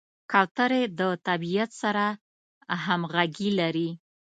کوترې د طبیعت سره همغږي لري.